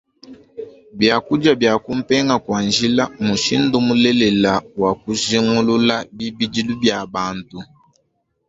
Biakudia bia kumpenga kua njila mmushindu mulelela wa kujingulula bibidilu bia bantu.